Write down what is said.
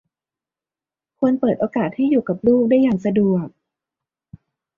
ควรเปิดโอกาสให้อยู่กับลูกได้อย่างสะดวก